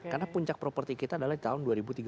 karena puncak properti kita adalah tahun dua ribu tiga belas